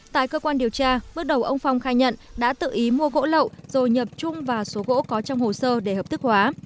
tại cơ quan điều tra bước đầu ông phong khai nhận đã tự ý mua gỗ lậu rồi nhập chung vào số gỗ có trong hồ sơ để hợp thức hóa